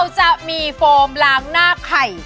จะมีโฟมล้างหน้าไข่